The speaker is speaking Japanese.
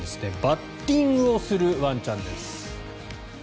バッティングをするワンちゃんです。